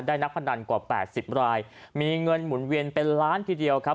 นักพนันกว่า๘๐รายมีเงินหมุนเวียนเป็นล้านทีเดียวครับ